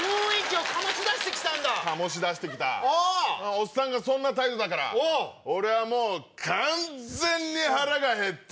おっさんがそんな態度だから俺はもう完全に腹がへって。